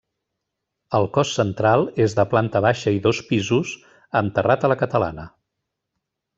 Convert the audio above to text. El cos central és de planta baixa i dos pisos, amb terrat a la catalana.